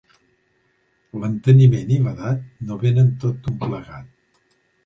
L'enteniment i l'edat no venen tot d'un plegat.